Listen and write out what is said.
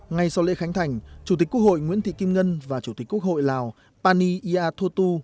ngay sau lễ khánh thành chủ tịch quốc hội nguyễn thị kim ngân và chủ tịch quốc hội lào pani ia thu tu